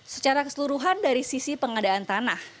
secara keseluruhan dari sisi pengadaan tanah